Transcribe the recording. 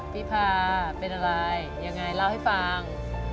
พี่พาเป็นอะไรยังไงเล่าให้ฟัง